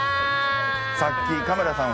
さっきカメラさん